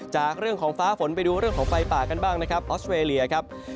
จากเรื่องของฟ้าฝนไปดูเรื่องของไฟป่ากันบ้างนะครับออสเตรเลียครับ